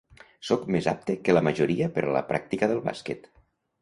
Sóc més apte que la majoria per a la pràctica del bàsquet.